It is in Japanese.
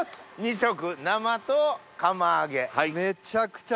２色生と釜揚げ。